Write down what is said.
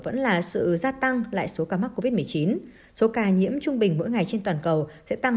vẫn là sự gia tăng lại số ca mắc covid một mươi chín số ca nhiễm trung bình mỗi ngày trên toàn cầu sẽ tăng